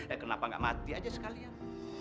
eh kenapa gak mati aja sekalian